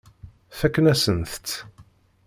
Fakken-asent-t.